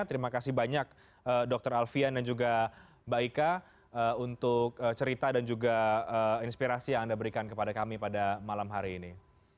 terima kasih banyak dr alfian dan juga mbak ika untuk cerita dan juga inspirasi yang anda berikan kepada kami pada malam hari ini